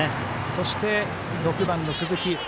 そして、６番の鈴木。